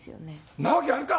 んなわけあるか！